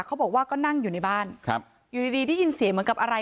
เขาบอกว่าก็นั่งอยู่ในบ้านครับอยู่ดีดีได้ยินเสียงเหมือนกับอะไร